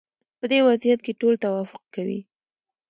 په دې وضعیت کې ټول توافق کوي.